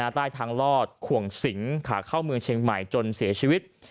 ใต้ทางลอดขวงสิงขาเข้าเมืองเชียงใหม่จนเสียชีวิต